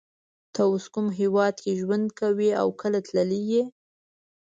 ته اوس کوم هیواد کی ژوند کوی او کله تللی یی